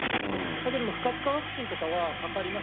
だけれども、不活化ワクチンとかはかかります。